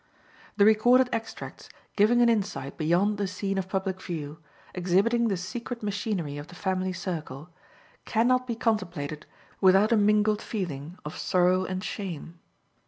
The recorded extracts, giving an insight beyond the scene of public view, exhibiting the secret machinery of the family circle, can not be contemplated without a mingled feeling of sorrow and shame.